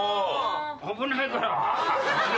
危ないから。